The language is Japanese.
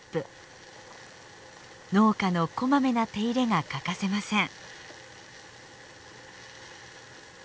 農家のこまめな手入れが欠かせません。